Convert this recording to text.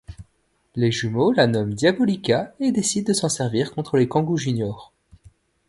Les jumeaux la nomment Diabolika, et décident de s'en servir contre les Kangoo Juniors.